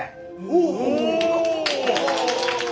お！